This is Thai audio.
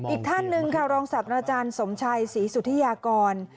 อีกท่านหนึ่งค่ะรองศัตว์อาจารย์สมชัยศรีสุธิยากร